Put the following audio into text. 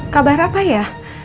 kabar apa ya